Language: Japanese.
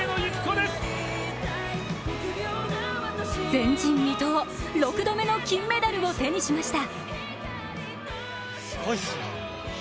前人未到、６度目の金メダルを手にしました。